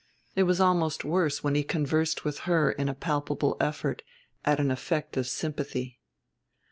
It was almost worse when he conversed with her in a palpable effort at an effect of sympathy.